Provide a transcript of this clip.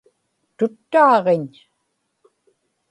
tuttaaġiñ